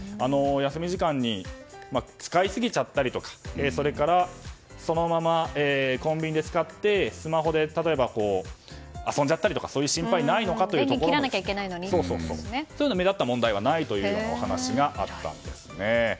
休み時間に使いすぎちゃったりそれからそのままコンビニで使ってスマホで例えば遊んじゃったりとかそういう心配がないのかなどそういう目立った問題はないというお話があったんですね。